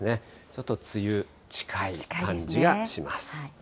ちょっと梅雨近い感じがします。